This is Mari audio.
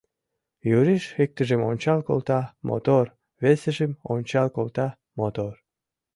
Юриш иктыжым ончал колта — мотор, весыжым ончал колта — мотор.